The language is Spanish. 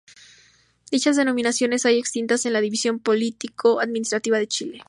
Dichas denominaciones hoy extintas en la división político administrativa de Chile.